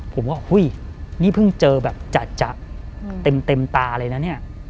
ผมก็เฮ้ยนี่เพิ่งเจอแบบจัดจัดเต็มเต็มตาเลยนะเนี้ย